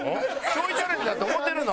ちょいタレントだと思ってるの？